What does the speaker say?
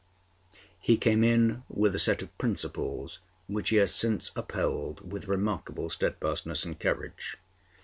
He came in with a set of principles which he has since upheld with remarkable steadfastness and courage.